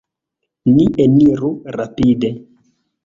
Ni eniru rapide!